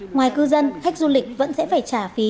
ngoài cư dân khách du lịch vẫn sẽ phải trả phí